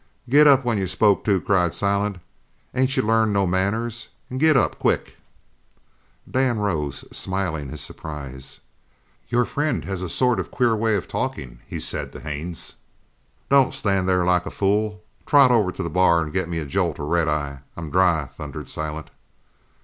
"Get up when you're spoke to" cried Silent. "Ain't you learned no manners? An' git up quick!" Dan rose, smiling his surprise. "Your friend has a sort of queer way of talkin'," he said to Haines. "Don't stan' there like a fool. Trot over to the bar an' git me a jolt of red eye. I'm dry!" thundered Silent.